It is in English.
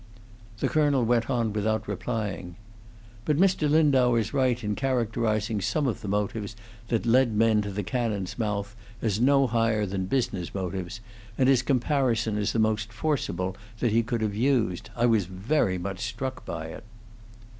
The colonel went on without replying: "But Mr. Lindau is right in characterizing some of the motives that led men to the cannon's mouth as no higher than business motives, and his comparison is the most forcible that he could have used. I was very much struck by it."